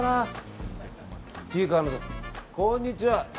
こんにちは。